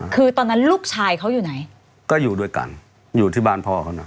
คือตอนนั้นลูกชายเขาอยู่ไหนก็อยู่ด้วยกันอยู่ที่บ้านพ่อเขาน่ะ